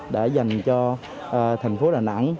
đã dành cho thành phố đà nẵng